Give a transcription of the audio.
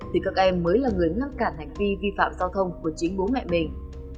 thì các em mới là người ngăn cản hành vi vi phạm giao thông của chính bố mẹ mình